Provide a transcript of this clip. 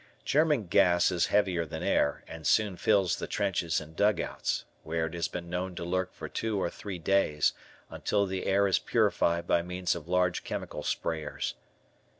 German gas is heavier than air and soon fills the trenches and dugouts, where it has been known to lurk for two or three days, until the air is purified by means of large chemical sprayers.